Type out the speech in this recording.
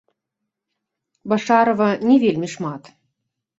Башарава не вельмі шмат.